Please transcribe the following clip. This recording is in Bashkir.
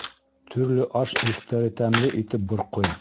Төрлө аш еҫтәре тәмле итеп борҡой.